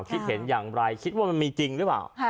คิดเห็นอย่างไรคิดว่ามันมีจริงหรือเปล่า